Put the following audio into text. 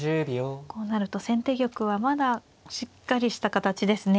こうなると先手玉はまだしっかりした形ですね。